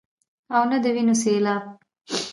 او نۀ د وينو سيلاب ،